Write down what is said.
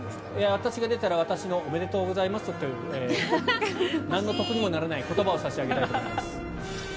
私が出たら私のおめでとうございますというなんの得にもならない言葉を差し上げたいと思います。